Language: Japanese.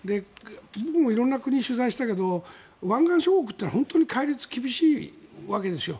僕も色んな国を取材したけど湾岸諸国というのは本当に戒律が厳しいわけですよ。